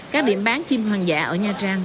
các điểm bán chim hoang dã ở nha trang